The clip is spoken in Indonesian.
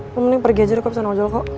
lu mending pergi aja deh ke sana sama joko